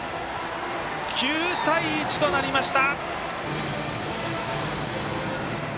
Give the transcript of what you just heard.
９対１となりました！